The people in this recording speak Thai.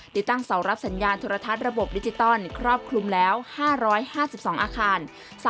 ติดตั้งเสารับสัญญาณโทรทัศน์ระบบดิจิตอลครอบคลุมแล้ว๕๕๒อาคาร